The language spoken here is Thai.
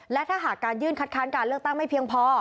และถ้าหากการยื่นคัดค้านการเลือกตั้งไม่เพียงพอ